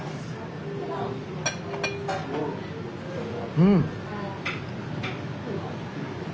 うん。